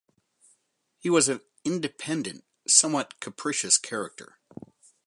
He was of independent, somewhat capricious character.